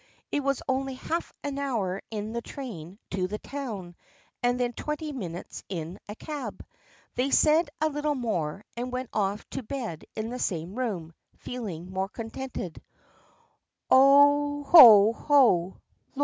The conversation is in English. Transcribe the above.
It was only half an hour in the train to the town, and then twenty minutes in a cab. They said a little more, and went off to bed in the same room, feeling more contented. "Oho ho ho.